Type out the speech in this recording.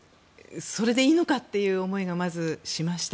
それでいいのかという思いがまずしました。